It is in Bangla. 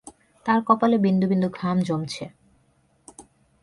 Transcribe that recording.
তাঁর কপালে বিন্দু-বিন্দু ঘাম জমছে।